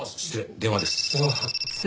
電話です。